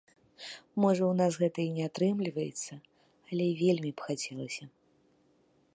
Можа ў нас гэта і не атрымліваецца, але вельмі б хацелася.